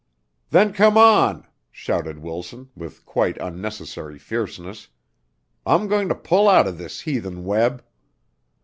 "Then come on," shouted Wilson, with quite unnecessary fierceness. "I'm going to pull out of this heathen web."